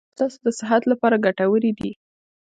اوبه ستاسو د صحت لپاره ګټوري دي